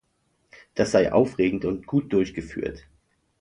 Das sei aufregend und gut durchgeführt.